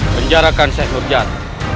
penjarakan seng hurjar